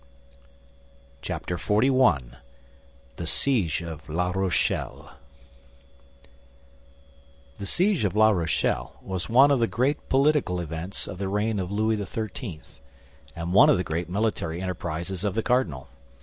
Chapter XLI. THE SIEGE OF LA ROCHELLE The Siege of La Rochelle was one of the great political events of the reign of Louis XIII., and one of the great military enterprises of the cardinal.